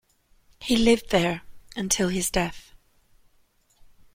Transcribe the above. He lived there until his death.